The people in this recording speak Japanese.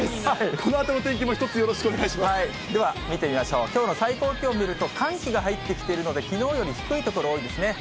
このあとのお天気も一つよろしく見てみましょう、きょうの最高気温、寒気が入ってきているので、きのうより低い所、多いですね。